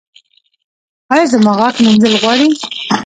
ایا زما غاښ مینځل غواړي؟